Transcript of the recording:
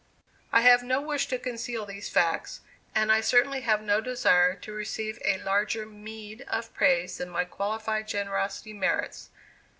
I have no wish to conceal these facts; and I certainly have no desire to receive a larger meed of praise than my qualified generosity merits.